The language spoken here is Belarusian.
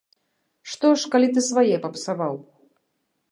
Што ж калі ты свае папсаваў.